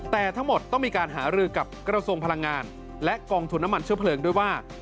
แต่ทั้งหมดต้องมีการหารือกับกระทรวงพลังงานและกองทุนน้ำมันเชื้อเพลิงด้วยว่า